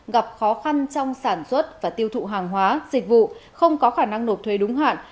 gặp khó khăn trong sản xuất và tiêu thụ hàng hóa dịch vụ không có khả năng nộp thuế đúng hạn